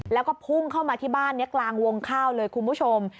แล้วก็พุ่งเข้ามาที่บ้านนี้กลางวงข้าวเลยคุณผู้ชม